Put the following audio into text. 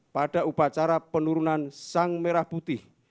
pada upacara penurunan sang merah putih